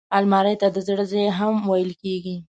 الماري ته د زړه ځای هم ویل کېږي